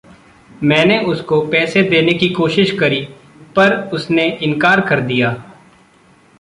मैंने उसको पैसे देने की कोशिश करी पर उसने इनकार कर दिया।